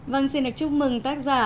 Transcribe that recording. vâng xin được chúc mừng tác giả